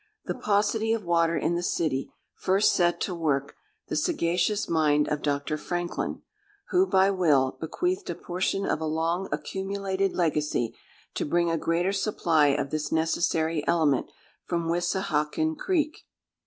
The paucity of water in the city first set to work the sagacious mind of Dr. Franklin, who, by will, bequeathed a portion of a long accumulated legacy to bring a greater supply of this necessary element from Wissahiccon Creek.